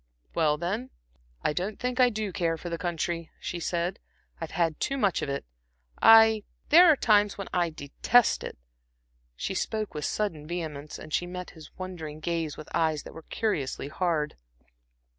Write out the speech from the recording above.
"Well, then, I don't think I do care for the country," she said. "I've had too much of it. I there are times when I detest it." She spoke with sudden vehemence, and she met his wondering gaze with eyes that were curiously hard.